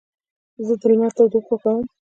زه د لمر تودوخه خوښوم.